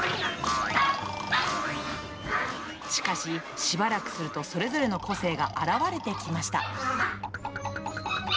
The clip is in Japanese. しかし、しばらくすると、それぞれの個性が表れてきました。